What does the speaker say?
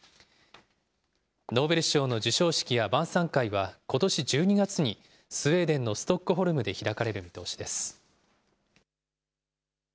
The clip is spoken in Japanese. ノーベル賞の授賞式や晩さん会は、ことし１２月にスウェーデンのストックホルムで開かれる見通しです。